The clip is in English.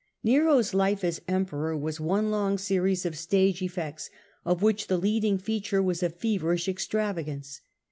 Nero^s life as Emperor was one long series of stage effects, of which the leading feature was a feverish ex , travagance.